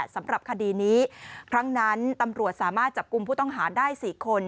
สำหรับคดีนี้ครั้งนั้นตำรวจสามารถจับกลุ่มผู้ต้องหาได้๔คน